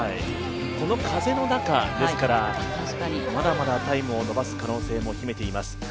この風の中ですから、まだまだタイムを伸ばす可能性も秘めています。